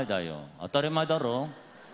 当たり前だろう。